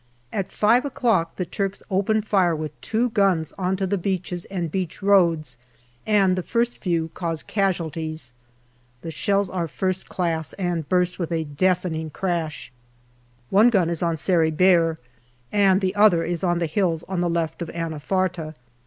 At five o'clock the Turks open fire with two guns on to the beaches and beach roads, and the first few cause casualties. The shells are first class, 296 GALLIPOLI DIARY and burst with a deafening crash. One gun is on Sari Bair and the other is on the hills on the left of Anafarta.